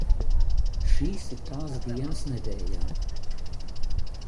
Šīs ir tās dienas nedēļā.